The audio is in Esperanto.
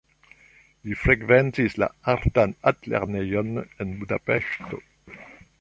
Li frekventis la artan altlernejon en Budapeŝto.